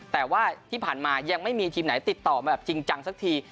แต่ว่าที่ผ่านมายังไม่มีทีมไหนติดต่อมาแบบจริงจังสักที